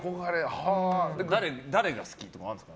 誰が好きとかあるんですか？